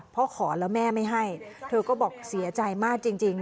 ขอแล้วแม่ไม่ให้เธอก็บอกเสียใจมากจริง